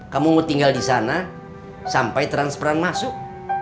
kamu mau tinggal di sana sampai transferan masuk